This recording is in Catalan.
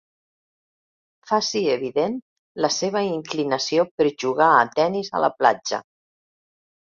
Faci evident la seva inclinació per jugar a tennis a la platja.